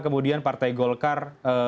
kemudian partai golkar